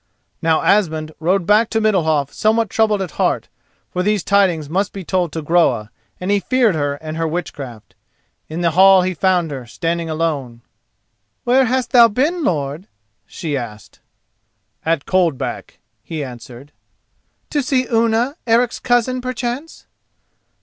Now Asmund rode back to Middalhof somewhat troubled at heart, for these tidings must be told to Groa, and he feared her and her witchcraft. In the hall he found her, standing alone. "Where hast thou been, lord?" she asked. "At Coldback," he answered. "To see Unna, Eric's cousin, perchance?"